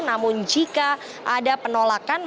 namun jika ada penolakan